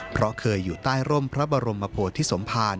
เพราะเคยอยู่ใต้ร่มพระบรมโพธิสมภาร